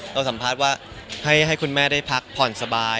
สัมภาษณ์ว่าให้คุณแม่ได้พักผ่อนสบาย